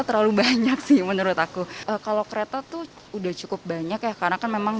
terlalu banyak sih menurut aku kalau kereta tuh udah cukup banyak ya karena kan memang